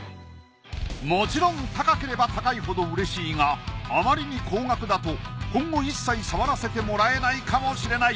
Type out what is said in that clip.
もちろん高ければ高いほどうれしいがあまりに高額だと今後一切触らせてもらえないかもしれない。